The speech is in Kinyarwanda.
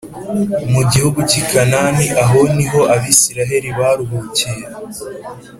mu gihugu cy i Kanani aho niho abisiraheli baruhukiye